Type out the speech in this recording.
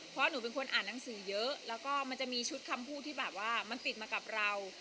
เพราะหนูเป็นคนอ่านหนังสือเยอะมีชุดคำพูดที่มาติดมากับเรา